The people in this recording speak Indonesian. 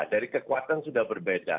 dari kekuatan sudah berbeda